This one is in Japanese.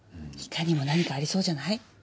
いかにも何かありそうじゃない？